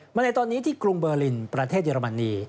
ในตอนนี้ที่กรุงเบอร์ลินประเทศเยอรมนี